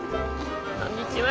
こんにちは。